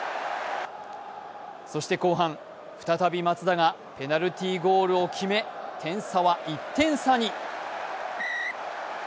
そして後半、再び松田がペナルティーゴールを決め、点差は１点差に。